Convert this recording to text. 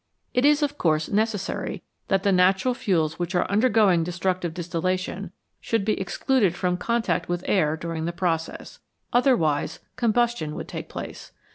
It is, of course, necessary that the natural fuels which are undergoing destructive distillation should be excluded from contact with air during the process other wise combustion would take place.